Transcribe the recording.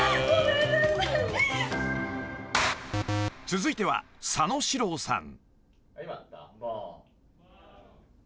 ［続いては佐野史郎さん］